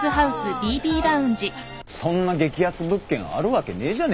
そんな激安物件あるわけねえじゃねえか。